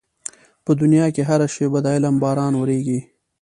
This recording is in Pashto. په دنيا کې هره شېبه د علم باران ورېږي.